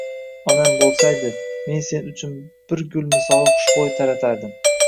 — Onam bo'lsaydi, men sen uchun bir gul misoli xushbo'y taratardim.